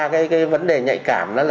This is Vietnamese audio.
cái vấn đề nhạy cảm